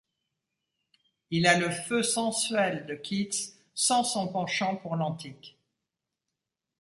Il a le feu sensuel de Keats sans son penchant pour l'antique.